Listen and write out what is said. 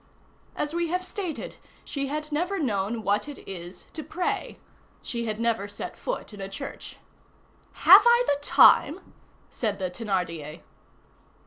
As we have stated, she had never known what it is to pray; she had never set foot in a church. "Have I the time?" said the Thénardier.